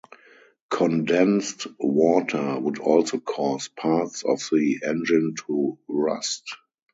Condensed water would also cause parts of the engine to rust.